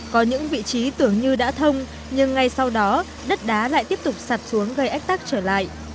có những vị trí tưởng như đã thông nhưng ngay sau đó đất đá lại tiếp tục sạt xuống gây ách tắc trở lại